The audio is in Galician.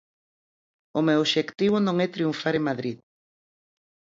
O meu obxectivo non é triunfar en Madrid.